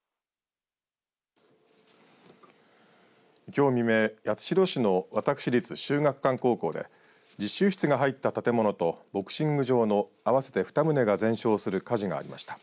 きょう未明八代市の私立秀岳館高校で実習室が入った建物とボクシング場の合わせて２棟が全焼する火事がありました。